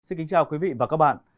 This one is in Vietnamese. xin kính chào quý vị và các bạn